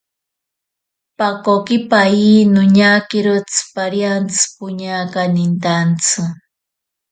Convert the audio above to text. Pakokipaye noñakiro tsipariantsi poña nintantsi.